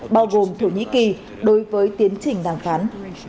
bao gồm thổ nhĩ kỳ đối với tiến trình đàm phán